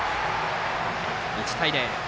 １対０。